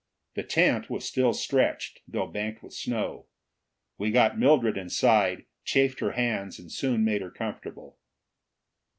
The tent was still stretched, though banked with snow. We got Mildred inside, chafed her hands, and soon had her comfortable.